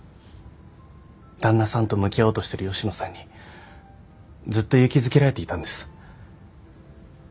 旦那さんと向き合おうとしてる吉野さんにずっと勇気づけられていたんです。